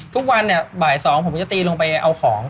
ทุกวันเนี่ยบ่าย๒ผมจะตีลงไปเอาของ